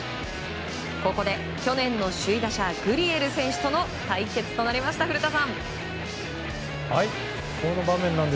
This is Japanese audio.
ここで去年の首位打者グリエル選手との対決となりました、古田さん。